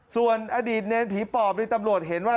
ส่วนอดีตเนรผีปอบนี่ตำรวจเห็นว่า